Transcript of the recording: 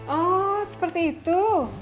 oh seperti itu